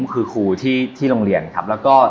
คือครูที่โรงเรียนครับแล้วก็